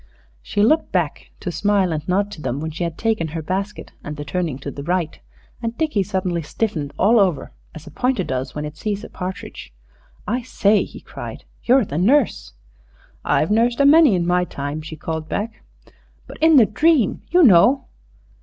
She looked back to smile and nod to them when she had taken her basket and the turning to the right, and Dickie suddenly stiffened all over, as a pointer does when it sees a partridge. "I say," he cried, "you're the nurse " "I've nursed a many in my time," she called back. "But in the dream ... you know."